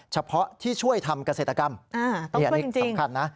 เฉพาะที่ช่วยทำเกษตรกรรมนี่อันนี้สำคัญนะ